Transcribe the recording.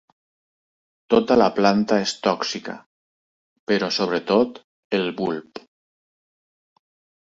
Tota la planta és tòxica, però sobretot el bulb.